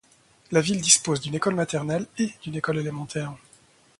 La ville dispose d'une école maternelle et d'une école élémentaire.